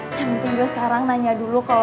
yang penting gue sekarang nanya dulu ke lo